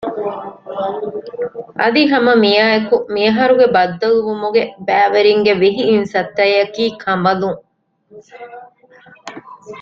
އަދި ހަމަ މިއާއެކު މި އަހަރުގެ ބައްދަލުވުމުގެ ބައިވެރިންގެ ވިހި އިންސައްތައަކީ ކަނބަލުން